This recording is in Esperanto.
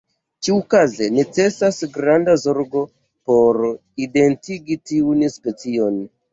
Ĉiukaze necesas granda zorgo por identigi tiun specion.